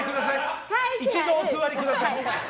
一度お座りください！